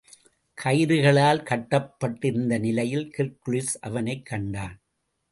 கயிறுகளால் கட்டப்பட்டிருந்த நிலையில் ஹெர்க்குலிஸ் அவனைக் கண்டான்.